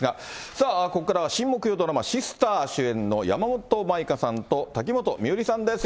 さあ、ここからは新木曜ドラマ、Ｓｉｓｔｅｒ、主演の山本舞香さんと瀧本美織さんです。